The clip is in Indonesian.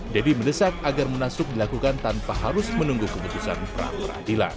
deddy mendesak agar munasluk dilakukan tanpa harus menunggu keputusan praperadilan